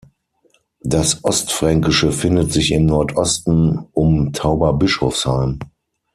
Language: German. Das Ostfränkische findet sich im Nordosten, um Tauberbischofsheim.